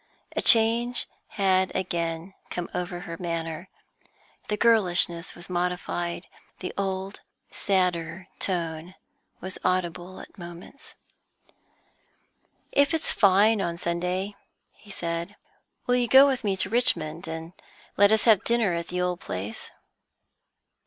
A change had again come over her manner; the girlishness was modified, the old sadder tone was audible at moments. "If it's fine on Sunday," he said, "will you go with me to Richmond, and let us have dinner at the old place?"